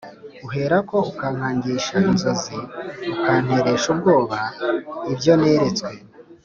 uherako ukankangisha inzozi, ukanteresha ubwoba ibyo neretswe,